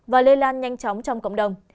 và lây lan nhanh chóng trong cộng đồng